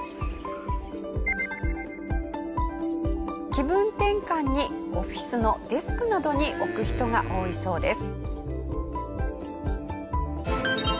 気分転換にオフィスのデスクなどに置く人が多いそうです。